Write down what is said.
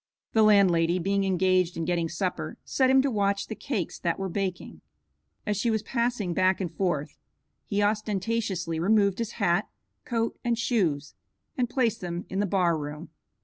The landlady, being engaged in getting supper, set him to watch the cakes that were baking. As she was passing back and forth he ostentatiously removed his hat, coat, and shoes, and placed them in the bar room.